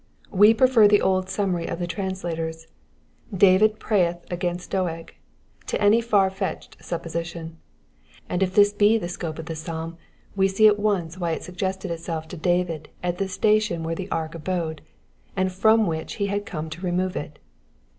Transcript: We prefer the old summary of the translators^ David prayeth against Doeg "— to any foT'^etched siwposUion : and if this be the scope cf the psalm, we see at once why U suggested ilse(jf to DavUt at the station where the ark abode, ana from tchich lie had come to remove it.